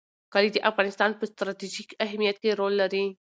کلي د افغانستان په ستراتیژیک اهمیت کې رول لري.